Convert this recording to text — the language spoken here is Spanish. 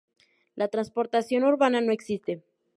La transportación urbana no existe.